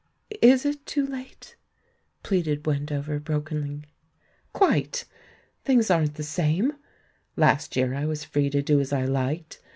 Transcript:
''Is it too late?" pleaded Wendover brokenly. "Quite. Things aren't the same; last year I was free to do as I Jiked.